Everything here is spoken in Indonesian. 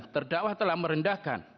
terdakwa telah merendahkan